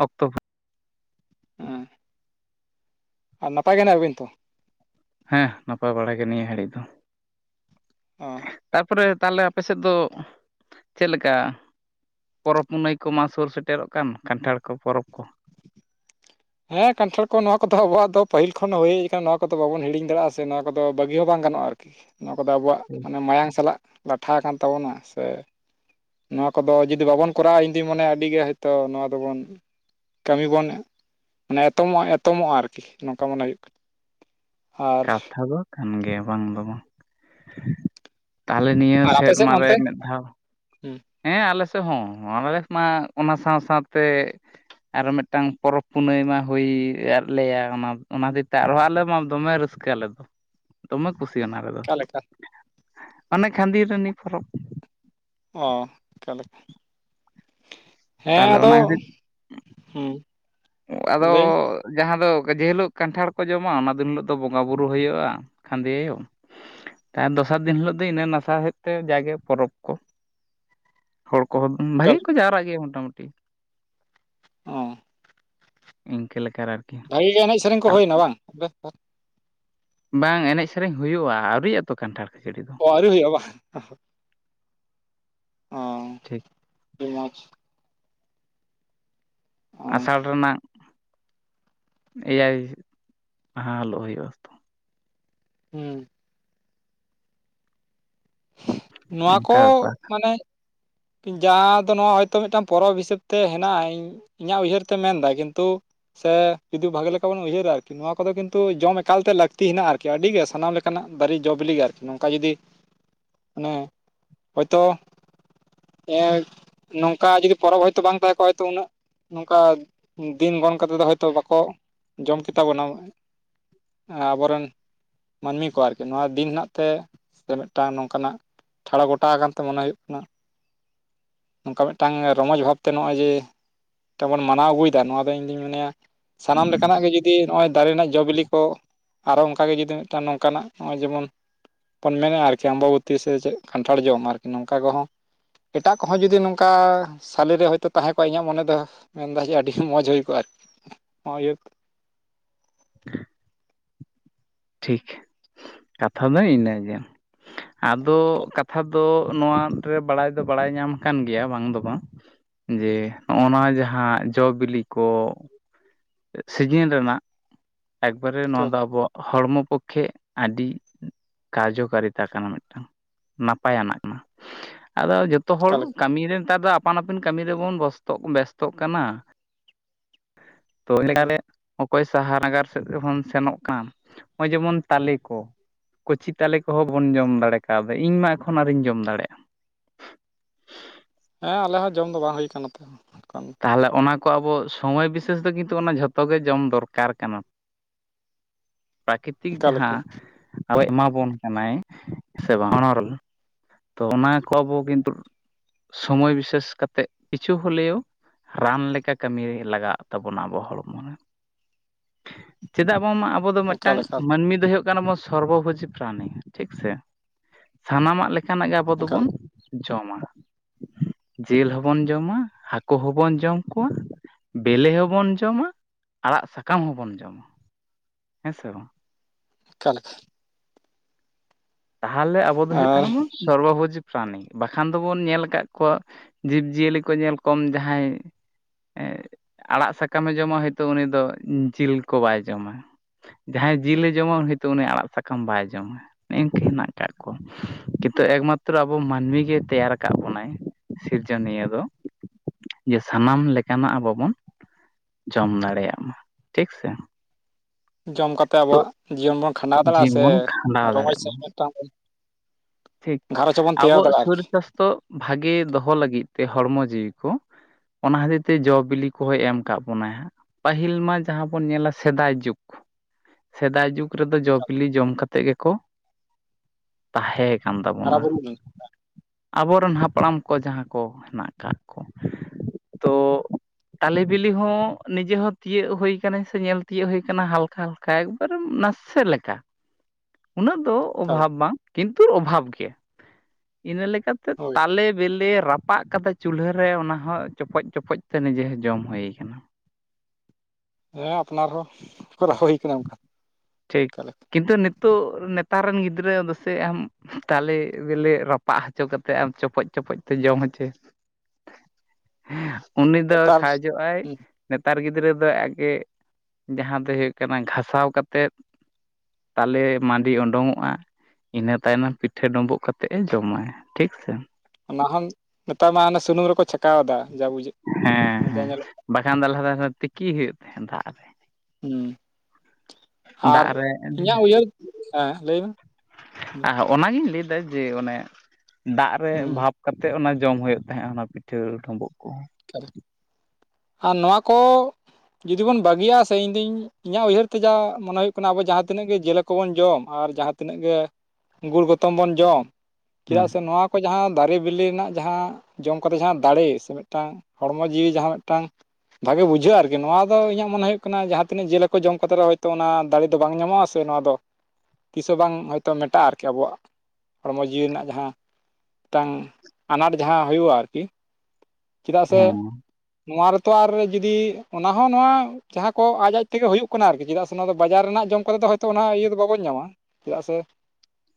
ᱚᱠᱛᱚ ᱟᱨ ᱱᱟᱯᱟᱭ ᱜᱮ ᱦᱮᱱᱟᱜ ᱵᱤᱱᱟ ᱛᱚ? ᱦᱮᱸ ᱱᱟᱯᱟᱭ ᱵᱟᱲᱟ ᱜᱮ ᱱᱤᱭᱟᱹ ᱜᱷᱟᱹᱲᱤᱡ ᱫᱚ ᱾ ᱚ ᱛᱟᱨᱯᱚᱨᱮ ᱛᱟᱦᱚᱞᱮ ᱟᱯᱮ ᱥᱮᱫ ᱫᱚ ᱪᱮᱫ ᱞᱮᱠᱟ? ᱯᱚᱨᱚᱵᱽ ᱯᱩᱱᱟᱹᱭ ᱠᱚ ᱢᱟ ᱥᱳᱨ ᱥᱮᱴᱮᱨᱚᱜ ᱠᱟᱱ ᱠᱟᱱᱴᱷᱟᱲ ᱠᱚ ᱯᱚᱨᱚᱵᱽ ᱠᱚ ᱾ ᱦᱮᱸ ᱠᱟᱱᱴᱷᱟᱲ ᱠᱚ ᱱᱚᱣᱟ ᱠᱚᱫᱚ ᱟᱵᱚᱣᱟᱜ ᱫᱚ ᱯᱟᱹᱦᱤᱞ ᱠᱷᱚᱱ ᱦᱳᱭ ᱦᱮᱡ ᱟᱠᱟᱱᱟ ᱛᱚ ᱱᱚᱭᱟ ᱠᱚᱫᱚ ᱵᱟᱵᱚᱱ ᱦᱤᱲᱤᱧ ᱫᱟᱲᱮ ᱟ ᱥᱮ ᱱᱚᱣᱟ ᱠᱚᱫᱚ ᱵᱟᱹᱜᱤ ᱦᱚᱸ ᱵᱟᱝ ᱜᱟᱱᱚᱜᱼᱟ ᱟᱨᱠᱤ ᱟ ᱱᱚᱣᱟ ᱠᱚᱫᱚ ᱟᱵᱚᱣᱟᱜ ᱢᱟᱱᱮ ᱢᱟᱭᱟᱝ ᱥᱟᱞᱟᱜ ᱞᱟᱴᱷᱟ ᱟᱠᱟᱱ ᱛᱟᱵᱚᱱᱟ ᱥᱮ ᱱᱚᱣᱟ ᱠᱚᱫᱚ ᱡᱚᱫᱤ ᱵᱟᱵᱚᱱ ᱠᱚᱨᱟᱣᱟ ᱤᱧ ᱫᱩᱧ ᱢᱚᱱᱮᱭᱟ ᱟᱹᱰᱤ ᱜᱮ ᱦᱚᱭᱛᱳ ᱱᱚᱣᱟ ᱫᱚᱵᱚᱱ ᱠᱟᱹᱢᱤ ᱵᱚᱱ ᱢᱟᱱᱮ ᱮᱛᱚᱢᱚᱜᱼᱟ ᱮᱛᱚᱢᱚᱜᱼᱟ ᱟᱨᱠᱤ ᱱᱚᱝᱠᱟ ᱢᱚᱱᱮ ᱦᱳᱭᱳᱜ ᱠᱟᱱᱟ ᱟᱨ ᱠᱟᱛᱷᱟ ᱫᱚ ᱠᱟᱱ ᱜᱮᱭᱟ ᱵᱟᱝ ᱫᱚ ᱵᱟᱝ ᱾ ᱛᱟᱦᱚᱞᱮ ᱱᱤᱭᱟᱹ ᱟᱨ ᱟᱯᱮ ᱥᱮᱫ ᱥᱮᱨᱢᱟ ᱨᱮ ᱚᱱᱛᱮ ᱢᱮᱫ ᱫᱷᱟᱣ ᱦᱩᱸ ᱦᱮᱸ ᱟᱞᱮ ᱥᱮᱫ ᱦᱚᱸ ᱟᱞᱮ ᱥᱮᱫ ᱢᱟ ᱚᱱᱟ ᱥᱟᱶ ᱥᱟᱶᱛᱮ ᱟᱨ ᱢᱤᱫᱴᱟᱝ ᱯᱚᱨᱚᱵᱽ ᱯᱩᱱᱟᱹᱭ ᱢᱟ ᱦᱩᱭ ᱟᱫ ᱞᱮᱭᱟ ᱚᱱᱟ ᱠᱷᱟᱹᱛᱤᱨ ᱛᱮ ᱟᱨᱦᱚᱸ ᱟᱞᱮ ᱢᱟ ᱫᱚᱢᱮ ᱨᱟᱹᱥᱠᱟᱹ ᱨᱟᱹᱥᱠᱟᱹ ᱟᱞᱮ ᱫᱚ ᱫᱚᱢᱮ ᱠᱩᱥᱤᱟᱜ ᱟᱱ ᱚᱞᱮ ᱫᱚ ᱚᱠᱟᱞᱮᱠᱟ ᱚᱱᱮ ᱠᱷᱟᱸᱫᱤᱨᱟᱱᱤ ᱯᱚᱨᱚᱵᱽ ᱚ ᱛᱟᱦᱚᱞᱮ ᱦᱮᱸ ᱛᱟᱦᱚᱞᱮ ᱟᱫᱚ ᱚᱱᱟ ᱠᱷᱟᱹᱛᱤᱨ ᱟᱫᱚ ᱞᱟᱹᱭ ᱡᱟᱦᱟᱸ ᱫᱚ ᱡᱮ ᱦᱤᱞᱳᱜ ᱠᱟᱱᱴᱷᱟᱲ ᱠᱚ ᱡᱚᱢᱟ ᱚᱱᱟ ᱫᱤᱱ ᱦᱤᱞᱳᱜ ᱫᱚ ᱵᱚᱸᱜᱟᱼ ᱵᱩᱨᱩ ᱦᱩᱭᱩᱜᱼᱟ ᱠᱷᱟᱸᱫᱤ ᱟᱭᱳ ᱟᱨ ᱫᱚᱥᱟᱨ ᱫᱤᱱ ᱦᱤᱞᱳᱜ ᱫᱚ ᱤᱱᱟᱹ ᱱᱟᱥᱟᱲ ᱦᱮᱫ ᱛᱮ ᱡᱟᱜᱮ ᱯᱚᱨᱚᱵᱽ ᱠᱚ ᱦᱚᱲ ᱠᱚᱦᱚᱸ ᱚᱠᱟ ᱵᱷᱟᱹᱜᱤ ᱜᱮ ᱞᱮᱠᱟ? ᱠᱚ ᱡᱟᱣᱨᱟᱜ ᱜᱮᱭᱟ ᱢᱚᱴᱟᱢᱩᱴᱤ ᱦᱚᱜᱼᱚᱸ ᱤᱱᱠᱟᱹ ᱞᱮᱠᱟ ᱵᱷᱟᱜᱤ ᱜᱮ ᱮᱱᱮᱡ ᱥᱮᱨᱮᱧ ᱠᱚ ᱟᱨ ᱦᱳᱭᱮᱱᱟ ᱵᱟᱝ? ᱵᱟᱝ ᱮᱱᱮᱡ ᱥᱮᱨᱮᱧ ᱦᱩᱭᱩᱜᱼᱟ ᱟᱹᱨᱤ ᱟᱛᱚ ᱠᱟᱱᱴᱷᱟᱲ ᱠᱷᱟᱹᱡᱟᱹᱲᱤ ᱫᱚ ᱚ ᱟᱣᱨᱤ ᱦᱩᱭᱩᱜᱼᱟ ᱵᱟᱝ? ᱚ ᱴᱷᱤᱠ ᱟᱹᱰᱤ ᱢᱚᱡᱽ ᱚ ᱟᱥᱟᱲ ᱨᱮᱱᱟ ᱮᱭᱟᱭ ᱢᱟᱦᱟ ᱦᱤᱞᱳᱜ ᱦᱩᱭᱩᱜᱼᱟ ᱛᱚ ᱦᱩᱸ ᱱᱚᱣᱟ ᱠᱚ ᱚᱱᱠᱟ ᱵᱮᱯᱟᱨ ᱢᱟᱱᱮ ᱡᱟᱦᱟᱸ ᱫᱚ ᱱᱚᱣᱟ ᱦᱚᱭᱛᱚ ᱢᱤᱫᱴᱟᱝ ᱯᱚᱨᱚᱵᱽ ᱦᱤᱥᱟᱹᱵᱽ ᱛᱮ ᱦᱮᱱᱟᱜᱼᱟ ᱤᱧ ᱤᱧᱟᱜ ᱩᱭᱦᱟᱹᱨ ᱛᱮ ᱢᱮᱱᱫᱟᱭ ᱠᱤᱱᱛᱩ ᱥᱮ ᱡᱩᱫᱤ ᱵᱷᱟᱜᱮ ᱞᱮᱠᱟ ᱵᱚᱱ ᱩᱭᱦᱟᱹᱨᱟ ᱟᱨᱠᱤ ᱱᱚᱣᱟ ᱠᱚᱫᱚ ᱠᱤᱱᱛᱩ ᱡᱚᱢ ᱮᱠᱟᱞᱛᱮ ᱞᱟᱹᱠᱛᱤ ᱦᱮᱱᱟᱜᱼᱟ ᱟᱨᱠᱤ ᱟᱹᱰᱤ ᱜᱮ ᱥᱟᱱᱟᱢ ᱞᱮᱠᱟ ᱚᱝᱠᱟᱱᱟᱜ ᱫᱟᱨᱤ ᱡᱚ ᱵᱤᱞᱤ ᱜᱮ ᱟᱨᱠᱤ ᱱᱚᱝᱠᱟ ᱡᱩᱫᱤ ᱢᱟᱱᱮ ᱦᱚᱳᱭᱛᱳ ᱮ ᱱᱚᱝᱠᱟ ᱡᱩᱫᱤ ᱯᱚᱨᱚᱵᱽ ᱦᱚᱭᱛᱳ ᱵᱟᱝ ᱛᱟᱦᱮ ᱠᱚᱜ-ᱟ ᱦᱚᱭᱛᱚ ᱩᱱᱟᱹᱜ ᱱᱚᱝᱠᱟ ᱫᱤᱱ ᱜᱚᱱ ᱠᱟᱛᱮᱫ ᱫᱚ ᱦᱚᱭᱛᱳ ᱵᱟᱠᱚ ᱡᱚᱢ ᱠᱮ ᱛᱟᱵᱚᱱᱟ ᱟᱵᱚᱨᱮᱱ ᱢᱟᱹᱱᱢᱤ ᱠᱚ ᱟᱨᱠᱤ ᱱᱚᱣᱟ ᱫᱤᱱ ᱦᱮᱱᱟᱜ ᱛᱮ ᱥᱮ ᱢᱤᱫᱴᱟᱝ ᱱᱚᱝᱠᱟᱱᱟᱜ ᱴᱷᱟᱲᱚ ᱜᱚᱴᱟ ᱟᱠᱟᱱᱛᱮ ᱢᱚᱱᱮ ᱦᱩᱭᱩᱜ ᱠᱟᱱᱟ ᱱᱚᱝᱠᱟ ᱢᱤᱫᱴᱟᱝ ᱨᱚᱢᱚᱡᱽ ᱵᱷᱟᱵᱛᱮ ᱱᱚᱜᱼᱚᱭ ᱡᱮ ᱛᱮᱵᱚᱱ ᱢᱟᱱᱟᱣ ᱟᱹᱜᱩᱭᱮᱫᱟ ᱱᱚᱣᱟ ᱫᱚ ᱤᱧᱫᱩᱧ ᱢᱚᱱᱮᱭᱟ ᱥᱟᱱᱟᱢ ᱞᱮᱠᱟᱱᱟᱜ ᱜᱮ ᱡᱩᱫᱤ ᱱᱚᱜᱼᱚᱭ ᱫᱟᱨᱮ ᱨᱮᱱᱟᱜ ᱡᱚᱼᱵᱤᱞᱤ ᱠᱚ ᱟᱨᱚ ᱚᱱᱠᱟᱜ ᱜᱮ ᱡᱩᱫᱤ ᱢᱤᱫᱴᱟᱝ ᱱᱚᱝᱠᱟᱱᱟᱜ ᱱᱚᱜᱼᱚᱭ ᱡᱮᱢᱚᱱ [unintelligible] ᱟᱨᱠᱤ ᱪᱮ ᱟᱢᱵᱟᱵᱛᱤ ᱥᱮ ᱪᱮᱫ ᱠᱟᱱᱴᱷᱟᱲ ᱡᱚᱢ ᱟᱨᱠᱤ ᱱᱚᱝᱠᱟ ᱠᱚᱦᱚᱸ ᱮᱴᱟᱜ ᱠᱚᱦᱚᱸ ᱡᱩᱫᱤ ᱱᱚᱝᱠᱟ ᱥᱟᱞᱮ ᱨᱮ ᱦᱚᱭᱛᱚ ᱛᱟᱦᱮᱸ ᱠᱚᱜᱼᱟ ᱤᱧᱟᱹᱜ ᱢᱚᱱᱮ ᱫᱚ ᱢᱮᱱᱫᱟᱭ ᱡᱮ ᱟᱹᱰᱤ ᱢᱚᱡᱽ ᱦᱩᱭ ᱠᱚᱜᱼᱟ ᱟᱨᱠᱤ ᱱᱚᱜᱼᱚᱭ ᱤᱭᱟᱹ ᱴᱷᱤᱠ ᱠᱟᱛᱷᱟ ᱫᱚ ᱤᱱᱟᱹᱜᱮ ᱟᱫᱚ ᱠᱟᱛᱷᱟ ᱫᱚ ᱱᱚᱣᱟ ᱨᱮ ᱵᱟᱲᱟᱭ ᱫᱚ ᱵᱟᱲᱟᱭ ᱧᱟᱢ ᱟᱠᱟᱱ ᱜᱮᱭᱟ ᱵᱟᱝ ᱫᱚ ᱵᱟᱝ ᱡᱮ ᱱᱚᱜᱼᱚ ᱱᱚᱣᱟ ᱡᱟᱦᱟᱸ ᱡᱚ ᱵᱤᱞᱤ ᱠᱚ ᱥᱤᱡᱤᱱ ᱨᱮᱱᱟᱜ ᱮᱠᱵᱟᱨᱮ ᱱᱚᱣᱟ ᱫᱚ ᱚᱠᱟ ᱟᱵᱚᱣᱟᱜ ᱦᱚᱲᱢᱚ ᱯᱚᱠᱠᱷᱮ ᱟᱹᱰᱤ ᱠᱟᱨᱡᱚᱠᱟᱨᱤᱛᱟ ᱠᱟᱱᱟ ᱢᱤᱫᱴᱟᱝ ᱱᱟᱯᱟᱭᱟᱱᱟᱜ ᱠᱟᱱᱟ ᱟᱫᱚ ᱡᱚ ᱛᱚ ᱦᱚᱲ ᱞᱮᱠᱟ ᱠᱟᱹᱢᱤ ᱨᱮ ᱱᱮᱛᱟᱨ ᱫᱚ ᱟᱯᱟᱱ ᱟᱹᱯᱤᱱ ᱠᱟᱹᱢᱤ ᱨᱮᱵᱚᱱ ᱵᱮᱥᱛᱚᱜ ᱠᱟᱱᱟ ᱛᱚ ᱦᱩᱸ ᱚᱠᱚᱭ ᱥᱟᱦᱟᱨ ᱱᱟᱜᱟᱨ ᱥᱮᱫ ᱨᱮ ᱵᱚᱱ ᱥᱮᱱᱚᱜ ᱠᱟᱱ ᱱᱚᱜᱼᱚᱭ ᱡᱮᱢᱚᱱ ᱛᱟᱞᱮ ᱠᱚ ᱠᱚᱪᱤ ᱛᱟᱞᱮ ᱠᱚᱦᱚᱸ ᱵᱚᱱ ᱡᱚᱢ ᱫᱟᱲᱮ ᱠᱟᱣᱫᱟ ᱤᱧᱢᱟ ᱮᱠᱷᱚᱱ ᱟᱣᱨᱤᱧ ᱡᱚᱢ ᱫᱟᱲᱮᱭᱟᱜᱼᱟ ᱦᱮᱸ ᱟᱞᱮ ᱦᱚᱸ ᱡᱚᱢ ᱫᱚ ᱵᱟᱝ ᱦᱩᱭ ᱠᱟᱱᱟ ᱛᱚ ᱚᱱᱠᱟᱱ ᱛᱟᱦᱚᱞᱮ ᱚᱱᱟ ᱠᱚ ᱟᱵᱚ ᱥᱚᱢᱚᱭ ᱵᱤᱥᱮᱥ ᱫᱚ ᱠᱤᱱᱛᱩ ᱚᱱᱟ ᱡᱷᱚᱛᱚ ᱜᱮ ᱡᱚᱢ ᱫᱚᱨᱠᱟᱨ ᱠᱟᱱᱟ ᱯᱨᱟᱠᱨᱤᱛᱤᱠ ᱮᱠᱟᱞ ᱡᱟᱦᱟᱸ ᱮᱠᱟᱞ ᱟᱵᱚᱭ ᱮᱢᱟᱵᱚᱱ ᱠᱟᱱᱟᱭ ᱥᱮ ᱵᱟᱝ [unintelligible] ᱛᱚ ᱚᱱᱟ ᱠᱚ ᱟᱵᱚ ᱠᱤᱱᱛᱩ ᱥᱚᱢᱚᱭ ᱵᱤᱥᱮᱥ ᱠᱟᱛᱮᱫ ᱠᱤᱪᱷᱩ ᱦᱚᱞᱮᱣᱳ ᱨᱟᱱ ᱞᱮᱠᱟ ᱠᱟᱹᱢᱤ ᱞᱟᱜᱟᱜ ᱛᱟᱵᱚᱱᱟ ᱟᱵᱚ ᱦᱚᱲᱢᱚ ᱨᱮ ᱪᱮᱫᱟᱜ ᱵᱟᱝᱢᱟ ᱟᱵᱚ ᱫᱚ ᱮᱠᱟᱞ ᱢᱤᱫᱴᱟᱝ ᱮᱠᱟᱞ ᱢᱟᱹᱱᱢᱤ ᱫᱚ ᱦᱩᱭᱩᱜ ᱠᱟᱱᱟᱚᱱ ᱥᱚᱨᱵᱚ ᱵᱷᱳᱡᱤ ᱯᱨᱟᱱᱤ ᱴᱷᱤᱠ ᱥᱮ ᱥᱟᱱᱟᱢᱟᱜ ᱞᱮ ᱠᱟᱱᱟᱜ ᱜᱮ ᱟᱵᱚ ᱮᱠᱟᱞ ᱫᱚᱵᱚᱱ ᱡᱚᱢᱟ ᱡᱮᱞ ᱦᱚᱸᱵᱚᱱ ᱡᱚᱢᱟ ᱦᱟᱹᱠᱩ ᱦᱚᱸᱵᱚᱱ ᱡᱚᱢ ᱠᱚᱣᱟ ᱵᱮᱞᱮ ᱦᱚᱸᱵᱚᱱ ᱡᱚᱢᱟ ᱟᱲᱟᱜ ᱥᱟᱠᱟᱢ ᱦᱚᱸᱵᱚᱱ ᱡᱚᱢᱟ ᱦᱮᱸ ᱥᱮ ᱵᱟᱝ ᱚᱠᱟ ᱞᱮᱠᱟ ᱛᱟᱦᱚᱞᱮ ᱟᱵᱚ ᱫᱚ ᱦᱩᱭᱩᱜ ᱟᱨ ᱠᱟᱱᱟ ᱵᱚᱱ ᱥᱚᱨᱵᱚᱚᱵᱳᱡᱤ ᱯᱨᱟᱱᱤ ᱵᱟᱠᱷᱟᱱ ᱫᱚᱵᱚᱱ ᱧᱮᱞ ᱟᱠᱟᱫ ᱠᱚᱣᱟ ᱡᱤᱵᱽᱡᱤᱭᱟᱹᱞᱤ ᱠᱚ ᱧᱮᱞ ᱠᱚᱢ ᱡᱟᱦᱟᱸᱭ ᱟᱲᱟᱜ ᱥᱟᱠᱟᱢᱮ ᱡᱚᱢᱟ ᱦᱚᱳᱭᱛᱳ ᱩᱱᱤ ᱫᱚ ᱡᱤᱞ ᱠᱚ ᱵᱟᱭ ᱡᱚᱢᱟ ᱡᱟᱦᱟᱸᱭ ᱡᱤᱞᱮ ᱡᱚᱢᱟ ᱩᱱᱤ ᱦᱚᱣᱛᱳ ᱩᱱᱤ ᱟᱲᱟᱜ ᱥᱟᱠᱟᱢ ᱵᱟᱭ ᱡᱚᱢᱟ ᱱᱮᱜ ᱱᱤᱝᱠᱟᱹ ᱦᱮᱱᱟᱜ ᱟᱠᱟᱫ ᱠᱚᱣᱟ ᱠᱤᱱᱛᱩ ᱮᱠᱢᱟᱛᱨᱚ ᱟᱵᱚ ᱢᱟᱹᱱᱢᱤ ᱜᱮ ᱛᱮᱭᱟᱨ ᱟᱠᱟᱫ ᱵᱚᱱᱟᱭ ᱥᱤᱨᱡᱚᱱᱤᱭᱟᱹ ᱫᱚ ᱡᱮ ᱥᱟᱱᱟᱢ ᱞᱮᱠᱟᱱᱟᱜ ᱟᱵᱚ ᱵᱚᱱ ᱡᱚᱢ ᱫᱟᱲᱮᱭᱟᱜ ᱢᱟ ᱴᱷᱤᱠ ᱥᱮ ᱡᱚᱢ ᱠᱟᱛᱮ ᱛᱚ ᱟᱵᱚᱣᱟᱜ ᱡᱤᱭᱚᱱ ᱵᱚᱱ ᱠᱷᱟᱸᱰᱟᱣ ᱫᱟᱲᱮᱭᱟᱜᱼᱟ ᱥᱮ ᱡᱤᱵᱚᱱ ᱠᱷᱟᱸᱰᱟᱣ ᱨᱚᱢᱚᱡ ᱫᱟᱲᱮᱭᱟᱜ ᱢᱟ ᱥᱟᱺᱦᱤᱡ ᱢᱤᱫᱴᱟᱝ ᱵᱚᱱ ᱜᱸᱷᱟᱨᱚᱧᱡᱽ ᱦᱚᱸᱵᱚᱱ ᱛᱮᱭᱟᱨ ᱫᱟᱲᱮᱭᱟᱜᱼᱟ ᱟᱨᱠᱤ ᱛᱚ ᱵᱷᱟᱜᱮ ᱫᱚᱦᱚ ᱞᱟᱹᱜᱤᱫ ᱛᱮ ᱦᱚᱲᱢᱚ ᱡᱤᱣᱤ ᱠᱚ ᱚᱱᱟ ᱠᱷᱟᱹᱛᱤᱨ ᱛᱮ ᱡᱚ ᱵᱤᱞᱤ ᱠᱚᱦᱚᱸᱭ ᱮᱢ ᱟᱠᱟᱫ ᱵᱚᱱᱟᱭ ᱦᱟᱸᱜ ᱯᱟᱹᱦᱤᱞ ᱢᱟ ᱡᱟᱦᱟᱸ ᱵᱚᱱ ᱧᱮᱞᱟ ᱥᱮᱫᱟᱭ ᱡᱩᱜᱽ ᱥᱮᱫᱟᱭ ᱡᱩᱜᱽ ᱨᱮᱫᱚ ᱡᱚᱼ ᱵᱤᱞᱤ ᱡᱚᱢ ᱠᱟᱛᱮᱜ ᱜᱮᱠᱚ ᱛᱟᱦᱮᱸᱭ ᱠᱟᱱ ᱦᱟᱨᱟ ᱛᱟᱵᱚᱱᱟ ᱵᱩᱨᱩ ᱟᱵᱚᱨᱮᱱ ᱦᱟᱯᱲᱟᱢ ᱠᱚ ᱡᱟᱦᱟᱸᱭ ᱠᱚ ᱦᱮᱱᱟᱜ ᱟᱠᱟᱫ ᱠᱚ ᱛᱚ ᱛᱟᱞᱮ ᱵᱤᱞᱤ ᱦᱚᱸ ᱱᱤᱡᱮ ᱦᱚᱸ ᱛᱤᱭᱟᱹᱜ ᱦᱩᱭ ᱟᱠᱟᱱᱟ ᱥᱮ ᱧᱮᱞ ᱛᱤᱭᱟᱹᱜ ᱦᱩᱭ ᱟᱠᱟᱱᱟ ᱦᱟᱞᱠᱟ ᱦᱟᱞᱠᱟ ᱦᱟᱞᱠᱟ ᱮᱠᱵᱟᱨᱮ ᱱᱟᱥᱮ ᱞᱮᱠᱟ ᱩᱱᱟᱹᱜ ᱫᱚ ᱠᱟᱞᱮ ᱚᱵᱷᱟᱵᱽ ᱵᱟᱝ ᱠᱤᱱᱛᱩ ᱚᱵᱷᱟᱵᱽ ᱜᱮ ᱤᱱᱟᱹ ᱞᱮᱠᱟᱛᱮ ᱦᱳᱭ ᱛᱟᱞᱮ ᱵᱮᱞᱮ ᱨᱟᱯ ᱟᱜ ᱠᱟᱛᱮᱫ‌ ᱪᱩᱞᱦᱟᱹ ᱨᱮ ᱚᱱᱟ ᱦᱚᱸ ᱪᱚᱯᱚᱡ ᱪᱚᱯᱚᱡ ᱛᱮ ᱱᱤᱡᱮ ᱦᱚᱸ ᱡᱚᱢ ᱦᱩᱭ ᱟᱠᱟᱱᱟ ᱦᱮᱸ ᱟᱯᱱᱟᱨ ᱦᱚᱸ ᱠᱚᱨᱟᱣ ᱦᱩᱭ ᱠᱟᱱᱟ ᱚᱱᱠᱟ ᱴᱷᱤᱠ ᱛᱟᱦᱞᱮ ᱠᱤᱱᱛᱩ ᱱᱤᱛᱳᱜ ᱱᱮᱛᱟᱨ ᱨᱮᱱ ᱜᱤᱫᱽᱨᱟᱹ ᱫᱚᱥᱮ ᱟᱢᱼᱼ ᱛᱟᱞᱮ ᱵᱮᱹᱞᱮᱹ ᱨᱟᱯᱟᱜ ᱦᱚᱪᱚ ᱠᱟᱛᱮᱫ ᱟᱢ ᱪᱚᱯᱚᱡ ᱪᱚᱯᱚᱡ ᱛᱮ ᱡᱚᱢ ᱦᱚᱪᱚᱭᱮᱢ [unintelligible] ᱩᱱᱤ ᱫᱚ ᱱᱮᱛᱟᱨ ᱠᱷᱟᱡᱚᱜᱼᱟᱭ ᱦᱩᱸ ᱱᱮᱛᱟᱨ ᱜᱤᱫᱽᱨᱟᱹ ᱫᱚ ᱟᱜᱮ ᱡᱟᱦᱟᱸᱼᱼ ᱦᱩᱭᱩᱜ ᱠᱟᱱᱟ ᱜᱷᱟᱥᱟᱣ ᱠᱟᱛᱮᱫ ᱛᱟᱞᱮ ᱢᱟᱹᱰᱤ ᱩᱰᱩᱝᱚᱜᱼᱟ᱾ ᱤᱱᱟᱹ ᱛᱟᱭᱱᱚᱢ ᱯᱤᱴᱷᱟᱹ ᱰᱩᱸᱵᱩᱜ ᱠᱟᱛᱮᱜ ᱮ ᱡᱚᱢᱟᱭ ᱴᱷᱤᱠ ᱥᱮ᱾ ᱚᱱᱟ ᱦᱚᱸ ᱱᱮᱛᱟᱨ ᱢᱟ ᱮᱱᱟ ᱥᱩᱱᱩᱢ ᱨᱮᱠᱚ ᱪᱷᱟᱠᱟᱣ ᱮᱫᱟ ᱡᱟ ᱦᱮᱸ ᱵᱩᱡᱷᱟᱹᱜ ᱡᱟ ᱦᱮᱸ ᱧᱮᱞᱚᱜ ᱠᱟᱱᱟ᱾ ᱵᱟᱠᱷᱟᱱ ᱞᱟᱦᱟ ᱛᱮᱫᱚ ᱛᱤᱠᱤ ᱦᱩᱭᱩᱜ ᱛᱟᱦᱮᱸᱫ ᱫᱟᱜ ᱨᱮ ᱦᱮᱸ ᱟᱨ ᱫᱟᱜ ᱨᱮ ᱤᱧᱟᱹᱜ ᱩᱭᱦᱟᱹᱨ ᱦᱮᱸ ᱞᱟᱹᱭ ᱢᱮ ᱟᱨ ᱚᱱᱟᱜᱤᱧ ᱞᱟᱹᱭ ᱮᱫᱟ ᱡᱮ ᱚᱱᱮ ᱫᱟᱜ ᱨᱮ ᱦᱩᱸ ᱵᱷᱟᱯ ᱠᱟᱛᱮᱫ ᱚᱱᱟ ᱡᱚᱢ ᱦᱩᱭᱩᱜ ᱛᱟᱦᱮᱸᱫ ᱚᱱᱟ ᱯᱤᱴᱷᱟᱹ ᱰᱩᱸᱵᱩᱜ ᱠᱚ [unintelligible] ᱟᱨ ᱱᱚᱣᱟ ᱠᱚ ᱡᱩᱫᱤ ᱵᱚᱱ ᱵᱟᱹᱜᱤᱭᱟ ᱥᱮ ᱤᱧ ᱫᱚᱧ ᱤᱧᱟᱹᱜ ᱩᱭᱦᱟᱹᱨ ᱛᱮ ᱡᱟ ᱢᱚᱱᱮ ᱦᱩᱭᱩᱜ ᱠᱟᱱᱟ ᱟᱵᱚ ᱡᱟᱦᱟᱸ ᱛᱤᱱᱟᱹᱜ ᱜᱮ ᱡᱮᱞ ᱦᱟᱴᱤ ᱵᱚᱱ ᱡᱚᱢ ᱟᱨ ᱡᱟᱦᱟᱸ ᱛᱤᱱᱟᱹᱜ ᱜᱮ ᱜᱩᱲ ᱜᱚᱛᱚᱢ ᱵᱚᱱ ᱡᱚᱢ ᱦᱮᱸ ᱪᱮᱫᱟᱜ ᱥᱮ ᱱᱚᱣᱟ ᱠᱚᱼᱼ ᱚ [unintelligible] ᱡᱟᱦᱟᱸ ᱫᱟᱨᱮ ᱵᱤᱞᱤ ᱨᱮᱱᱟᱜ ᱡᱟᱦᱟᱸ ᱡᱚᱢ ᱠᱟᱛᱮ ᱡᱟᱦᱟᱸ ᱫᱟᱲᱮ ᱥᱮ ᱢᱤᱫᱴᱟᱝ ᱦᱚᱲᱢᱚ ᱡᱤᱣᱤ ᱡᱟᱦᱟᱸᱼᱼ ᱢᱤᱫᱴᱟᱝᱼᱼ ᱵᱷᱟᱜᱮ ᱵᱩᱡᱷᱟᱹᱜᱼᱟ ᱟᱨᱠᱤ ᱱᱚᱶᱟ ᱫᱚ ᱤᱧᱟᱹᱜ ᱢᱚᱱᱮ ᱦᱩᱭᱩᱜ ᱠᱟᱱᱟ ᱡᱟᱦᱟᱸ ᱛᱤᱱᱟᱹᱜ ᱡᱮᱞ ᱦᱟᱠᱳ ᱡᱚᱢ ᱠᱟᱛᱮ ᱨᱮ ᱦᱚᱸ ᱦᱚᱭᱛᱳ ᱚᱱᱟ ᱫᱟᱲᱮ ᱫᱚ ᱵᱟᱝ ᱧᱟᱢᱚᱜᱼᱟ ᱥᱮ ᱥᱮ ᱱᱚᱣᱟ ᱫᱚ ᱛᱤᱥ ᱦᱚᱸ ᱵᱟᱝ ᱦᱚᱭᱛᱳ ᱢᱮᱴᱟᱜᱼᱟ ᱟᱨᱠᱤ ᱟᱵᱚᱣᱟᱜ ᱦᱚᱲᱢᱚ ᱡᱤᱣᱤ ᱨᱮᱱᱟᱜ ᱡᱟᱦᱟᱸᱼᱼ ᱢᱤᱫᱴᱟᱝ ᱟᱱᱟᱴ ᱡᱟᱦᱟᱸ ᱦᱩᱭᱩᱜᱼᱟ ᱟᱨᱠᱤ ᱪᱮᱫᱟᱜ ᱥᱮ ᱦᱮᱸ ᱱᱚᱣᱟ ᱨᱮ ᱛᱚ ᱟᱨ ᱡᱩᱫᱤ ᱚᱱᱟ ᱦᱚᱸ ᱱᱚᱣᱟ ᱡᱟᱦᱟᱸ ᱠᱚ ᱟᱡ ᱟᱡ ᱛᱮᱜᱮ ᱦᱩᱭᱩᱜ ᱠᱟᱱᱟ ᱟᱨᱠᱤ ᱪᱮᱫᱟᱜ ᱥᱮ ᱱᱚᱣᱟ ᱫᱚ ᱵᱟᱡᱟᱨ ᱨᱮᱱᱟᱜ ᱡᱚᱢ ᱠᱟᱛᱮᱫ ᱫᱚ ᱦᱚᱭᱛᱚ ᱚᱱᱟ ᱤᱭᱟᱹ ᱫᱚ ᱵᱟᱵᱚᱱ ᱧᱟᱢᱟ ᱪᱮᱫᱟᱜ ᱥᱮ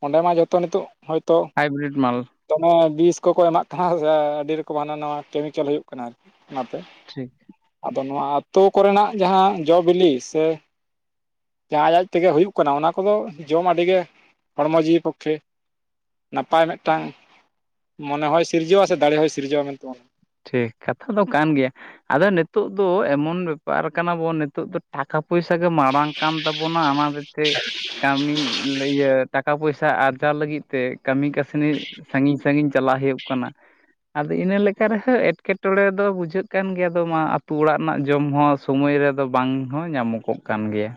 ᱚᱸᱰᱮ ᱢᱟ ᱡᱚᱛᱚ ᱱᱤᱛᱚᱜ ᱦᱚᱭᱛᱳ ᱦᱟᱭᱵᱨᱤᱰ ᱢᱟᱞ ᱫᱚᱢᱮ ᱵᱤᱥ ᱠᱚᱠᱚ ᱮᱢᱟᱜ ᱠᱟᱱᱟ ᱥᱮ ᱟᱹᱰᱤ ᱨᱚᱠᱚᱢ ᱦᱟᱱᱟ ᱱᱟᱣᱟ ᱠᱮᱢᱤᱠᱮᱞ ᱦᱩᱭᱩᱜ ᱠᱟᱱᱟ ᱟᱨᱠᱤ ᱚᱱᱟᱛᱮ ᱴᱷᱤᱠ ᱟᱫᱚ ᱱᱚᱣᱟ ᱟᱛᱳ ᱠᱚᱨᱮᱱᱟᱜ ᱡᱟᱦᱟᱸ ᱡᱚ ᱵᱤᱞᱤ ᱥᱮ ᱡᱟᱦᱟᱸ ᱟᱡ ᱟᱡ ᱛᱮᱜᱮ ᱦᱩᱭᱩᱜ ᱠᱟᱱᱟ ᱚᱱᱟ ᱠᱚᱫᱚ ᱡᱚᱢ ᱟᱹᱰᱤ ᱜᱮ ᱦᱚᱲᱢᱚ ᱡᱤᱣᱤ ᱯᱚᱠᱠᱷᱮ ᱱᱟᱯᱟᱭ ᱢᱤᱫᱴᱟᱝ ᱢᱚᱱᱮ ᱦᱚᱸᱭ ᱥᱤᱨᱡᱟᱹᱣᱟ ᱥᱮ ᱫᱟᱲᱮ ᱦᱚᱸᱭ ᱥᱤᱨᱡᱟᱹᱣᱟ ᱢᱮᱱᱛᱮ ᱴᱷᱤᱠ ᱠᱟᱛᱷᱟ ᱫᱚ ᱠᱟᱱ ᱜᱮᱭᱟ ᱟᱫᱚ ᱱᱤᱛᱳᱜ ᱫᱚ ᱮᱢᱚᱱ ᱵᱮᱯᱟᱨ ᱠᱟᱱᱟ ᱵᱚᱱ ᱱᱤᱛᱳᱜ ᱫᱚ ᱴᱟᱠᱟ ᱯᱚᱭᱥᱟ ᱜᱮ ᱢᱟᱨᱟᱝ ᱠᱟᱱ ᱛᱟᱵᱚᱱᱟ ᱚᱱᱟᱫᱤᱛᱮ ᱠᱟᱹᱢᱤ ᱤᱭᱟᱹ ᱴᱟᱠᱟ ᱯᱚᱭᱥᱟ ᱟᱨᱡᱟᱣ ᱞᱟᱹᱜᱤᱫ ᱛᱮ ᱠᱟᱹᱢᱤ ᱠᱟᱹᱥᱱᱤ ᱥᱟᱺᱜᱤᱧ ᱥᱟᱺᱜᱤᱧ ᱪᱟᱞᱟᱣ ᱦᱳᱭᱳᱜ ᱠᱟᱱᱟ ᱟᱫᱚ ᱤᱱᱟᱹ ᱞᱮᱠ ᱚᱱᱠᱟ ᱨᱮᱦᱚᱸ ᱮᱴᱠᱮᱴᱚᱬᱮ ᱫᱚ ᱵᱩᱡᱷᱟᱹᱜ ᱠᱟᱱ ᱜᱮᱭᱟ ᱫᱚ ᱢᱟ ᱟᱛᱳ ᱚᱲᱟᱜ ᱨᱮᱱᱟᱜ ᱡᱚᱢ ᱦᱚᱸ ᱥᱚᱢᱚᱭ ᱨᱮᱫᱚ ᱵᱟᱝ ᱦᱚᱸ ᱧᱟᱢᱚᱜ ᱠᱚᱸᱜ ᱠᱟᱱ ᱜᱮᱭᱟ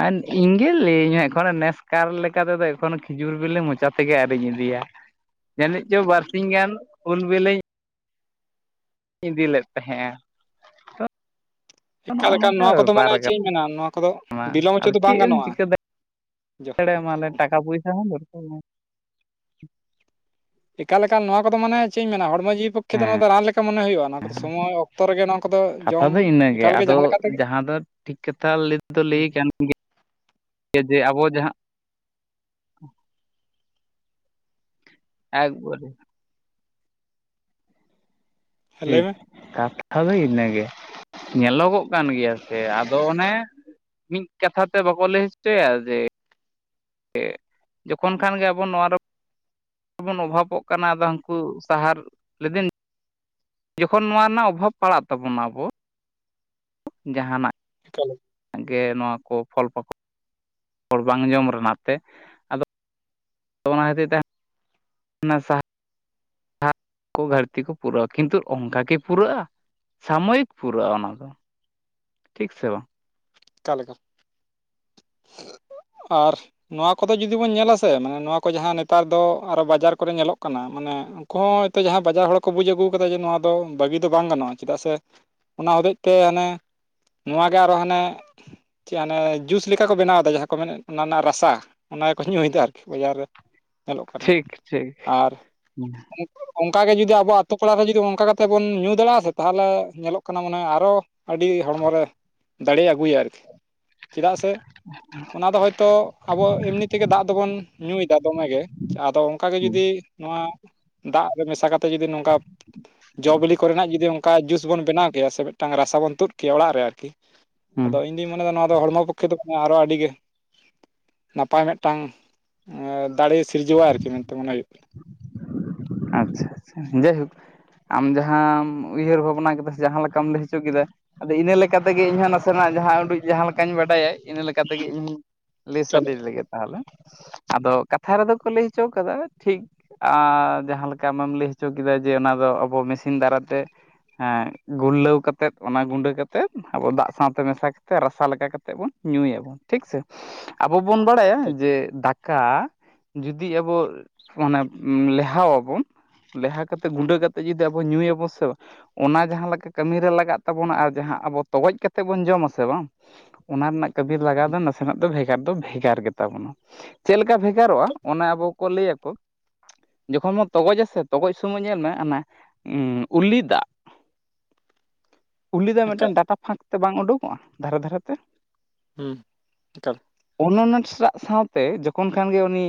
ᱟᱨ ᱤᱧ ᱜᱮ ᱞᱟᱹᱭᱟᱹᱧ ᱮᱠᱷᱚᱱᱚ ᱱᱮᱥᱠᱟᱨ ᱞᱮᱠᱟ ᱛᱮᱫᱚ ᱮᱠᱷᱚᱱᱚ ᱠᱷᱤᱡᱩᱨ ᱵᱤᱞᱤ ᱢᱚᱪᱟ ᱛᱮᱜᱮ ᱟᱨᱤᱧ ᱤᱫᱤᱭᱟ ᱡᱟᱹᱱᱤᱡ ᱪᱚ ᱵᱟᱨ ᱥᱤᱧ ᱜᱟᱱ ᱩᱞ ᱵᱤᱞᱤᱧ ᱤᱫᱤ ᱞᱮᱫ ᱛᱟᱦᱮᱸᱜᱼᱟ ᱛᱚ ᱚᱱᱚ ᱮᱠᱟᱞ ᱮᱠᱟᱞ ᱚᱱᱠᱟ ᱱᱚᱣᱟ ᱠᱚᱫᱚ ᱢᱟᱱᱮ ᱵᱮᱯᱟᱨ ᱪᱮᱫ ᱠᱟᱱ ᱤᱧ ᱢᱮᱱᱟ ᱱᱚᱣᱟ ᱠᱚᱫᱚ ᱵᱤᱞᱚᱢ [inaudible] ᱦᱚᱪᱚ ᱟᱫᱚ ᱫᱚ ᱵᱟᱝ ᱪᱮᱫ ᱮᱢ ᱜᱟᱱᱚᱜᱼᱟ ᱪᱤᱠᱟᱹᱫᱟᱼᱼ ᱪᱲᱮ [unintelligible] ᱢᱟᱱᱮ ᱴᱟᱠᱟ ᱯᱚᱭᱥᱟ ᱦᱚᱸ ᱫᱚᱨᱠᱟᱨ ᱮᱠᱟ ᱞᱮᱠᱟᱱ ᱱᱚᱣᱟ ᱠᱚᱫᱚ ᱢᱟᱱᱮ ᱪᱮᱫ ᱤᱧ ᱢᱮᱱᱟ ᱦᱚᱲᱢᱚ ᱡᱤᱵᱽ ᱯᱚᱠᱠᱷᱮ ᱫᱚ ᱦᱮᱸ ᱱᱚᱣᱟ ᱫᱚ ᱨᱟᱱ ᱞᱮᱠᱟ ᱢᱚᱱᱮ ᱦᱩᱭᱩᱜᱼᱟ ᱱᱚᱣᱟ ᱠᱚᱫᱚ ᱥᱚᱢᱚᱭ ᱚᱠᱛᱚ ᱨᱮᱜᱮ ᱱᱚᱣᱟ ᱠᱚᱫᱚ ᱠᱟᱛᱷᱟ ᱡᱚᱢ ᱫᱚ ᱤᱱᱟᱹᱜᱮ ᱮᱠᱟᱞ ᱜᱮ ᱡᱟᱦᱟᱸ ᱟᱫᱚ ᱞᱮᱠᱟ ᱛᱮᱜᱮᱼᱼ ᱡᱟᱦᱟᱸ ᱫᱚ ᱴᱷᱤᱠ ᱠᱟᱛᱷᱟ ᱞᱟᱹᱭ ᱛᱮᱫᱚ ᱞᱟᱹᱭ ᱠᱟᱱ ᱜᱮᱭᱟ ᱡᱮ ᱟᱵᱚ ᱡᱟᱦᱟᱸᱼᱼ ᱮᱠᱵᱮ [unintelligible] ᱦᱮᱸ ᱞᱟᱹᱭ ᱴᱷᱤᱠ ᱢᱮ ᱠᱟᱛᱷᱟ ᱫᱚ ᱤᱱᱟᱹ ᱜᱮ ᱧᱮᱞᱚᱜᱚᱜ ᱠᱟᱱ ᱜᱮᱭᱟ ᱥᱮ ᱟᱫᱚ ᱚᱱᱮᱼᱼ ᱢᱤᱫ ᱠᱟᱛᱷᱟ ᱛᱮ ᱵᱟᱠᱚ ᱞᱟᱹᱭ ᱦᱚᱪᱚᱭᱟ ᱡᱮᱼᱼ [inaudible] ᱡᱚᱠᱷᱚᱱ ᱠᱷᱟᱱ ᱜᱮ ᱟᱵᱚ ᱱᱚᱣᱟ ᱨᱮᱼᱼ ᱵᱚᱱ ᱚᱵᱷᱟᱵᱽᱜ ᱠᱟᱱᱟ ᱟᱫᱚ ᱦᱟᱹᱱᱠᱩ ᱥᱟᱦᱟᱨ ᱞᱮᱫᱮᱱᱼᱼ ᱡᱚᱠᱷᱚᱱ ᱱᱚᱣᱟ ᱨᱮᱱᱟᱜ ᱚᱵᱷᱟᱵᱽ ᱯᱟᱲᱟᱜ ᱛᱟᱵᱚᱱᱟ ᱟᱵᱚᱼᱼ ᱡᱟᱸᱦᱟᱸᱱᱟᱜᱼᱼ [unintelligible] ᱜᱮ ᱱᱚᱣᱟ ᱠᱚ ᱯᱷᱚᱞ ᱯᱟᱠᱚᱲ ᱦᱚᱲ ᱵᱟᱝ ᱡᱚᱢ ᱨᱮᱱᱟᱜ ᱛᱮ ᱟᱫᱚᱼᱼ ᱚᱱᱟ ᱠᱷᱟᱹᱛᱤᱨ ᱛᱮ [unintelligible] ᱩᱱ ᱜᱷᱟᱹᱨᱛᱤ ᱠᱚ ᱯᱩᱨᱟᱹᱜᱼᱟ ᱠᱤᱱᱛᱩ ᱚᱱᱠᱟ ᱜᱮ ᱯᱩᱨᱟᱹᱜᱼᱟ ᱥᱟᱢᱚᱭᱤᱠ ᱯᱩᱨᱟᱹᱜᱼᱟ ᱚᱱᱟ ᱫᱚ ᱴᱷᱤᱠ ᱥᱮ ᱵᱟᱝ ᱛᱟᱦᱞᱮᱠᱟ [inaudible] ᱟᱨ ᱱᱚᱣᱟ ᱠᱚᱫᱚ ᱡᱩᱫᱤ ᱵᱚᱱ ᱧᱮᱞᱟ ᱥᱮ ᱱᱚᱣᱟ ᱠᱚ ᱡᱟᱦᱟᱸ ᱱᱮᱛᱟᱨ ᱫᱚ ᱟᱨᱚ ᱵᱟᱡᱟᱨ ᱠᱚᱨᱮ ᱧᱮᱞᱚᱜ ᱠᱟᱱᱟ ᱢᱟᱱᱮ ᱩᱱᱠᱩ ᱦᱚ ᱡᱟᱦᱟᱸᱭ ᱵᱟᱡᱟᱨ ᱦᱚᱲ ᱠᱚ ᱵᱩᱡᱽ ᱟᱹᱜᱩ ᱠᱟᱫᱟ ᱡᱮ ᱱᱚᱣᱟ ᱫᱚ ᱵᱟᱹᱜᱤ ᱫᱚ ᱵᱟᱝ ᱜᱟᱱᱚᱜᱼᱟ ᱪᱮᱫᱟᱜ ᱥᱮ ᱚᱱᱟ ᱦᱚᱛᱮᱡ ᱛᱮ ᱦᱟᱱᱮ ᱱᱚᱣᱟᱜᱮ ᱟᱨᱚ ᱦᱟᱱᱮ ᱪᱮᱫ ᱟᱱᱮ ᱡᱩᱥ ᱞᱮᱠᱟ ᱠᱚ ᱵᱮᱱᱟᱣᱫᱟ ᱡᱟᱦᱟᱸ ᱠᱚ ᱢᱮᱱᱮᱫ ᱚᱱᱟ ᱨᱮᱱᱟᱜ ᱨᱟᱥᱟ ᱚᱱᱟᱠᱚ ᱧᱩᱭᱮᱫᱟ ᱟᱨᱠᱤ ᱵᱟᱡᱟᱨ ᱨᱮ ᱧᱮᱞᱚᱜ ᱠᱟᱱᱟ ᱴᱷᱤᱠ ᱴᱷᱤᱠ ᱟᱨ ᱦᱩᱸ ᱚᱱᱠᱟ ᱜᱮ ᱡᱩᱫᱤ ᱟᱵᱚ ᱟᱛᱳ ᱯᱟᱲᱟ ᱨᱮ ᱡᱩᱫᱤ ᱚᱱᱠᱟ ᱠᱟᱛᱮᱫ ᱵᱚᱱ ᱧᱩ ᱫᱟᱲᱮᱭᱟᱜᱼᱟ ᱥᱮ ᱛᱟᱦᱚᱞᱮ ᱧᱮᱞᱚᱜ ᱠᱟᱱᱟ ᱢᱟᱱᱮ ᱟᱨᱚ ᱟᱹᱰᱤ ᱦᱚᱲᱢᱚ ᱨᱮ ᱫᱟᱲᱮ ᱟᱹᱜᱩᱭᱟ ᱟᱨᱠᱤ ᱪᱮᱫᱟᱜ ᱥᱮ ᱦᱚ ᱚᱱᱟ ᱫᱚ ᱦᱚᱭᱛᱚ ᱟᱵᱚ ᱮᱢᱱᱤ ᱛᱮᱜᱮ ᱫᱟᱜ ᱫᱚᱵᱚᱱ ᱧᱩᱭᱫᱟ ᱫᱚᱢᱮ ᱜᱮ ᱟᱫᱚ ᱚᱱᱠᱟ ᱜᱮ ᱦᱩᱸ ᱡᱩᱫᱤ ᱱᱚᱣᱟ ᱫᱟᱜ ᱨᱮ ᱢᱮᱥᱟ ᱠᱟᱛᱮ ᱡᱩᱫᱤ ᱱᱚᱝᱠᱟ ᱡᱚ ᱵᱤᱞᱤ ᱠᱚᱨᱮᱱᱟᱜ ᱡᱩᱫᱤ ᱚᱱᱠᱟ ᱡᱩᱥ ᱵᱚᱱ ᱵᱮᱱᱟᱣ ᱠᱮᱭᱟ ᱥᱮ ᱢᱤᱫᱴᱟᱝ ᱨᱟᱥᱟ ᱵᱚᱱ ᱛᱩᱫ ᱠᱮᱭᱟ ᱚᱲᱟᱜ ᱨᱮ ᱟᱨᱠᱤ ᱦᱩᱸ ᱟᱫᱚ ᱤᱧᱫᱩᱧ ᱢᱚᱱᱮᱫᱟ ᱱᱚᱣᱟ ᱫᱚ ᱦᱚᱲᱢᱚ ᱯᱚᱠᱷᱮ ᱫᱚ ᱟᱨᱚ ᱟᱹᱰᱤᱜᱮ ᱱᱟᱯᱟᱭ ᱢᱤᱫᱴᱟᱝ ᱮ ᱫᱟᱲᱮ ᱥᱤᱨᱡᱟᱹᱣᱟ ᱟᱨᱠᱤ ᱢᱮᱱᱛᱮ ᱢᱚᱱᱮ ᱦᱩᱭᱩᱜᱼᱟ ᱾ ᱟᱪᱪᱷᱟ ᱟᱪᱪᱷᱟ ᱡᱟᱭᱦᱳᱠ ᱟᱢ ᱡᱟᱦᱟᱸᱟᱢ ᱩᱭᱦᱟᱹᱨ ᱵᱷᱟᱵᱱᱟ ᱠᱮᱫᱟ ᱡᱟᱦᱟᱸ ᱞᱮᱠᱟᱢ ᱞᱟᱹᱭ ᱦᱚᱪᱚ ᱠᱮᱫᱟ ᱟᱫᱚ ᱤᱱᱟᱹ ᱞᱮᱠᱟ ᱛᱮᱜᱮ ᱤᱧᱦᱚ ᱱᱟᱥᱮᱱᱟᱜ ᱡᱟᱦᱟᱸ ᱩᱰᱩᱡ ᱡᱟᱦᱟᱸ ᱞᱮᱠᱟᱧ ᱵᱟᱰᱟᱭ ᱤᱱᱟᱹ ᱞᱮᱠᱟ ᱛᱮᱜᱮ ᱤᱧ ᱞᱟᱹᱭ ᱪᱚᱞᱚ ᱥᱟᱰᱮ ᱞᱟᱹᱜᱤᱫ ᱛᱟᱦᱚᱞᱮ ᱟᱫᱚ ᱠᱟᱛᱷᱟ ᱨᱮᱫᱚ ᱠᱚ ᱞᱟᱹᱭ ᱦᱚᱪᱚ ᱠᱟᱫᱟ ᱴᱷᱤᱠ ᱡᱟᱦᱟᱸ ᱞᱮᱠᱟ ᱟᱢ ᱮᱢ ᱞᱟᱹᱭ ᱦᱚᱪᱚ ᱠᱮᱫᱟ ᱡᱮ ᱚᱱᱟ ᱫᱚ ᱟᱵᱚ ᱢᱮᱥᱤᱱ ᱫᱟᱨᱟ ᱛᱮ ᱦᱮᱸ ᱜᱩᱨᱞᱟᱹᱣ ᱠᱟᱛᱮᱫ ᱚᱱᱟ ᱜᱩᱸᱰᱟ ᱠᱟᱛᱮᱫ ᱟᱵᱚ ᱫᱟᱜ ᱥᱟᱶᱛᱮ ᱢᱮᱥᱟ ᱠᱟᱛᱮ ᱨᱟᱥᱟ ᱞᱮᱠᱟ ᱠᱟᱛᱮ ᱵᱚᱱ ᱧᱩᱭᱟᱵᱚᱱ ᱴᱷᱤᱠ ᱥᱮ ᱟᱵᱚ ᱵᱚᱱ ᱵᱟᱲᱟᱭᱟ ᱡᱮ ᱫᱟᱠᱟ ᱠᱟ ᱡᱩᱫᱤ ᱟᱵᱚ ᱢᱟᱱᱮ ᱞᱮᱦᱟᱣ ᱞᱮᱣᱦᱟ ᱠᱟᱛᱮᱫ ᱜᱩᱸᱰᱟᱹ ᱠᱟᱛᱮ ᱡᱩᱫᱤ ᱟᱵᱚ ᱧᱩᱭᱟᱵᱚᱱ ᱥᱮ ᱚᱱᱟ ᱡᱟᱦᱟᱸ ᱞᱮᱠᱟ ᱠᱟᱹᱢᱤᱨᱮ ᱞᱟᱜᱟᱜ ᱛᱟᱵᱚᱱᱟ ᱟᱨ ᱡᱟᱦᱟᱸ ᱟᱵᱚ ᱛᱚᱜᱚᱡ ᱠᱟᱛᱮ ᱵᱚᱱ ᱡᱚᱢ ᱟᱥᱮ ᱵᱟᱝ ᱚᱱᱟ ᱨᱮᱱᱟᱜ ᱠᱟᱹᱵᱤᱨ ᱞᱟᱜᱟᱣ ᱫᱚ ᱱᱟᱥᱮᱱᱟᱜ ᱫᱚ ᱵᱷᱮᱜᱟᱨ ᱫᱚ ᱵᱷᱮᱜᱟᱨ ᱜᱮᱛᱟ ᱵᱚᱱᱟ ᱪᱮᱫ ᱞᱮᱠᱟ ᱵᱷᱮᱜᱟᱨᱚᱜᱼᱟ ᱚᱱᱟ ᱟᱵᱚ ᱠᱚ ᱞᱟᱹᱭ ᱟᱠᱚ ᱡᱚᱠᱷᱚᱱ ᱢᱟ ᱛᱚᱜᱚᱡ ᱥᱮ ᱛᱚᱜᱚᱡ ᱥᱚᱢᱚᱭ ᱧᱮᱞ ᱢᱮ ᱚᱱᱟ ᱩᱞᱤ ᱫᱟᱜ ᱩᱞᱤ ᱫᱟᱜ ᱮᱠᱟᱞ ᱢᱤᱫᱴᱮᱱ ᱰᱟᱴᱟ ᱯᱷᱟᱸᱠ ᱛᱮ ᱵᱟᱝ ᱩᱰᱩᱠᱚᱜᱼᱟ ᱫᱷᱟᱨᱮ ᱫᱷᱟᱨᱮ ᱛᱮ [unintelligible] [unintelligible] ᱥᱟᱶᱛᱮ ᱡᱚᱠᱷᱚᱱ ᱠᱷᱟᱱ ᱜᱮ ᱩᱱᱤ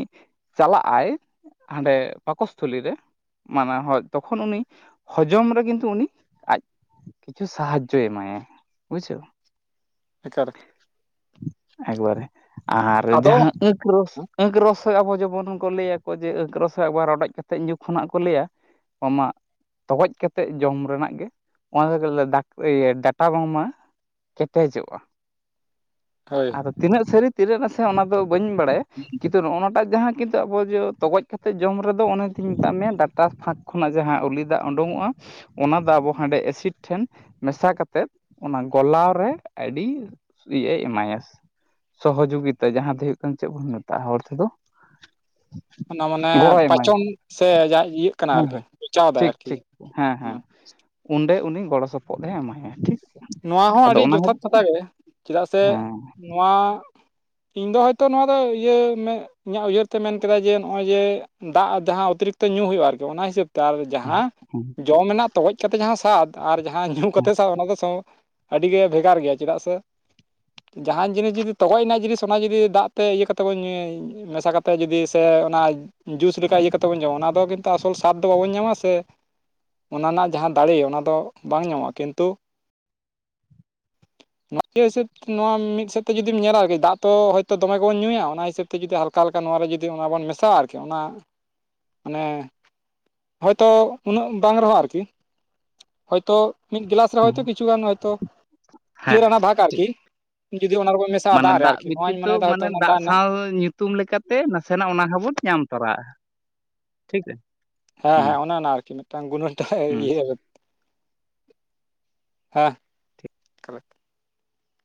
ᱪᱟᱞᱟᱜ ᱟᱭ ᱦᱟᱰᱮ ᱯᱟᱠᱚᱥ ᱛᱷᱚᱞᱤ ᱨᱮ ᱢᱟᱱᱟ ᱦᱚᱭ ᱛᱚᱠᱷᱚᱱ ᱩᱱᱤ ᱦᱚᱡᱚᱢ ᱨᱮ ᱠᱤᱱᱛᱩ ᱩᱱᱤ ᱟᱡ ᱠᱤᱪᱷᱩ ᱥᱟᱦᱟᱡᱚᱭ ᱮᱢᱟ ᱭᱟ ᱵᱩᱡᱷᱟᱹᱣ [unintelligible] ᱮᱠᱵᱟᱨᱮ ᱟᱨ ᱟᱫᱚ ᱡᱟᱦᱟᱸᱟᱠᱨᱚᱥ ᱟᱸᱠ ᱨᱚᱥᱚ ᱟᱵᱚ ᱡᱮᱢᱚᱱ ᱦᱚᱸ ᱞᱟᱹᱭᱟᱠᱚ ᱡᱮ ᱟᱸᱠ ᱨᱚᱥᱚᱭ ᱟᱵᱟᱨ ᱨᱚᱰᱚᱡ ᱠᱟᱛ ᱛᱮᱫ ᱡᱩᱜᱽ ᱠᱷᱚᱱᱟᱜ ᱠᱚ ᱞᱟᱹᱭᱟ ᱟᱢᱟᱜ ᱛᱚᱜᱚᱡ ᱠᱟᱛᱮᱫ ᱡᱚᱢ ᱨᱮᱱᱟᱜ ᱜᱮ ᱚᱱᱟᱠ ᱤᱭᱟᱹ ᱰᱟᱴᱟ ᱨᱚᱢ ᱢᱟ ᱠᱮᱴᱮᱡᱚᱜᱼᱟ ᱦᱳᱭ ᱟᱫᱚ ᱛᱤᱱᱟᱹᱜ ᱥᱟᱹᱨᱤ ᱛᱤᱱᱟᱹᱜ ᱱᱟᱥᱮ ᱚᱱᱟ ᱫᱚ ᱵᱟᱹᱧ ᱵᱟᱲᱟᱭᱟ ᱦᱩᱸ ᱠᱤᱱᱛᱩ ᱱᱚᱜᱼ ᱱᱟᱴᱟᱜ ᱡᱟᱦᱟᱸ ᱠᱤᱱᱛᱩ ᱟᱵᱚ ᱡᱮ ᱛᱚᱜᱚᱡ ᱠᱟᱛᱮᱫ ᱡᱚᱢ ᱨᱮᱫᱚ ᱚᱱᱮ ᱢᱮᱛᱟᱫ ᱢᱮᱭᱟ ᱰᱟᱴᱟ ᱯᱷᱟᱸᱠ ᱠᱷᱚᱱᱟᱜ ᱡᱟᱦᱟᱸ ᱩᱞᱤ ᱫᱟᱜ ᱳᱰᱩᱝᱚᱜᱼᱟ ᱚᱱᱟ ᱫᱚ ᱟᱵᱚ ᱦᱟᱸᱰᱮ ᱮᱥᱤᱰ ᱴᱷᱮᱱ ᱢᱮᱥᱟ ᱠᱟᱛᱮᱫ ᱚᱱᱟ ᱜᱚᱞᱟᱣ ᱨᱮ ᱟᱹᱰᱤ [unintelligible] ᱥᱚᱦᱚᱡᱳᱜᱤᱛᱟ ᱡᱟᱦᱟᱸ ᱫᱚ ᱦᱩᱭᱩᱜ ᱠᱟᱱᱟ ᱪᱮᱫ ᱵᱚᱱ ᱢᱮᱛᱟᱜᱼᱟ ᱦᱚᱲ ᱛᱮᱫᱚ ᱚᱱᱟ ᱢᱟᱱᱮ ᱜᱚᱲᱚᱭ ᱮᱢᱟᱭᱟ ᱯᱟᱪᱚᱱ ᱥᱮ ᱡᱟ ᱤᱭᱟᱹᱜ ᱠᱟᱱᱟ ᱦᱳᱭ ᱟᱨᱠᱤ ᱦᱳᱭ ᱦᱮᱪᱟᱣᱫᱟᱭ ᱟᱨᱠᱤ ᱦᱮᱸ ᱚᱸᱰᱮ ᱩᱱᱤ ᱜᱚᱲᱚ ᱥᱚᱯᱚᱦᱚᱫ ᱮ ᱮᱢᱟᱭᱟ ᱴᱷᱤᱠ ᱱᱚᱣᱟ ᱦᱚᱸ ᱟᱫᱚ ᱟᱹᱰᱤ ᱚᱱᱟ ᱦᱮᱸ ᱡᱚᱛᱷᱟᱛ ᱠᱟᱛᱷᱟ ᱜᱮ ᱪᱮᱫᱟᱜ ᱥᱮ ᱦᱮᱸ ᱱᱚᱣᱟ ᱤᱧ ᱫᱚ ᱦᱚᱭᱛᱚ ᱱᱚᱣᱟ ᱫᱚ ᱤᱭᱟᱹ ᱢᱮ ᱤᱧᱟᱹᱜ ᱩᱭᱦᱟᱹᱨ ᱛᱮ ᱢᱮᱱ ᱠᱮᱫᱟᱭ ᱡᱮ ᱱᱚᱜᱼᱚᱭ ᱡᱮ ᱫᱟᱜ ᱡᱟᱦᱟᱸ ᱚᱛᱤᱨᱤᱠᱛᱚ ᱧᱩ ᱦᱩᱭᱩᱜᱼᱟ ᱟᱨᱠᱤ ᱚᱱᱟ ᱦᱤᱥᱟᱹᱵ ᱛᱮ ᱛᱟᱨ ᱡᱟᱦᱟᱸ ᱦᱮᱸ ᱡᱚᱢ ᱨᱮᱱᱟᱜ ᱛᱚᱜᱚᱡ ᱠᱟᱛᱮ ᱡᱟᱦᱟᱸ ᱥᱟᱫ ᱟᱨ ᱡᱟᱦᱟᱸ ᱧᱩ ᱠᱟᱛᱮᱜ ᱥᱟᱫ ᱚᱱᱟ ᱫᱚ ᱥᱚᱢ ᱟᱹᱰᱤᱜᱮ ᱵᱷᱮᱜᱟᱨ ᱜᱮᱭᱟ ᱪᱮᱫᱟᱜ ᱥᱮ ᱡᱟᱦᱟᱸᱱ ᱡᱤᱱᱤᱥ ᱡᱩᱫᱤ ᱛᱚᱜᱚᱡᱽ ᱨᱮᱱᱟᱜ ᱡᱤᱱᱤᱥ ᱚᱱᱟ ᱡᱩᱫᱤ ᱫᱟᱜ ᱛᱮ ᱤᱭᱟᱹ ᱠᱟᱛᱮᱫ ᱵᱚᱱ ᱧᱩᱭᱟ ᱢᱮᱥᱟ ᱠᱟᱛᱮ ᱡᱩᱫᱤ ᱥᱮ ᱚᱱᱟ ᱡᱩᱥ ᱞᱮᱠᱟ ᱤᱭᱟᱹ ᱠᱟᱛᱮ ᱵᱚᱱ ᱡᱚᱢᱟ ᱚᱱᱟ ᱫᱚ ᱠᱤᱱᱛᱩ ᱟᱥᱚᱞ ᱥᱟᱛ ᱫᱚ ᱵᱟᱵᱚᱱ ᱧᱟᱢᱟ ᱥᱮ ᱚᱱᱟ ᱨᱮᱱᱟᱜ ᱡᱟᱦᱟᱸ ᱫᱟᱲᱮ ᱚᱱᱟ ᱫᱚ ᱵᱟᱝ ᱧᱟᱢᱚᱜᱼᱟ ᱠᱤᱱᱛᱩ ᱢᱟᱛᱤᱭᱳ ᱦᱤᱥᱟᱹᱯ ᱱᱚᱣᱟ ᱢᱤᱫ ᱥᱮᱫ ᱛᱮ ᱡᱩᱫᱤᱢ ᱧᱮᱞᱟ ᱟᱨᱠᱤ ᱫᱟᱜ ᱛᱚ ᱦᱳᱭᱛᱚ ᱫᱚᱢᱮ ᱜᱮᱵᱚᱱ ᱧᱩᱭᱟ ᱚᱱᱟ ᱦᱤᱥᱟᱹᱯ ᱛᱮ ᱛᱮ ᱡᱩᱫᱤ ᱦᱟᱞᱠᱟ ᱦᱟᱞᱠᱟ ᱱᱚᱣ ᱨᱮ ᱡᱩᱫᱤ ᱚᱱᱟ ᱵᱚᱱ ᱢᱮᱥᱟᱜᱼᱟ ᱟᱨᱠᱤ ᱚᱱᱟ ᱢᱟᱱᱮ ᱦᱳᱭ ᱛᱚ ᱩᱱᱟᱹᱜ ᱵᱟᱝ ᱨᱮᱦᱚᱸ ᱟᱨᱠᱤ, ᱦᱳᱭ ᱛᱚ ᱢᱤᱫ ᱜᱤᱞᱟᱥ ᱛᱚ ᱠᱤᱪᱷᱩ ᱜᱟᱱ ᱦᱳᱭᱛᱚ ᱦᱮᱸ ᱪᱟᱹᱨ ᱟᱱᱟ ᱵᱷᱟᱜ ᱴᱷᱤᱠ ᱟᱨᱠᱤ ᱡᱩᱫᱤ ᱚᱱᱟ ᱠᱚᱵᱚᱱ ᱢᱮᱥᱟᱜᱼᱟ ᱫᱟᱜ ᱨᱮ ᱟᱨᱠᱤ ᱱᱚᱣᱟᱧ ᱢᱚᱱᱮ ᱫᱟ ᱦᱳᱭ ᱛᱚ ᱫᱟᱜ ᱨᱮᱱᱟᱜ ᱛᱩᱢ ᱞᱮᱠᱟᱛᱮ ᱱᱟᱥᱮᱱᱟᱜ ᱚᱱᱟ ᱦᱚᱸ ᱵᱚᱱ ᱧᱟᱢ ᱛᱚᱨᱟ-ᱟ ᱴᱷᱤᱠ ᱦᱚᱸ ᱦᱩᱸ ᱦᱚᱸ ᱚᱱᱮ ᱚᱱᱟ ᱟᱨᱠᱤ ᱢᱤᱫᱴᱟᱝ ᱜᱩᱱᱟᱹ ᱴᱷᱟᱭ ᱦᱩᱸ ᱤᱭᱟᱹ ᱦᱮᱸ